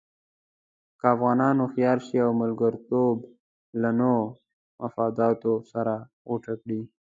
که افغانان هوښیار شي او ملګرتوب له نویو مفاداتو سره غوټه کړي.